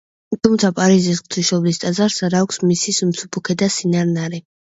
თუმცა პარიზის ღვთისმშობლის ტაძარს არ აქვს მისი სიმსუბუქე და სინარნარე.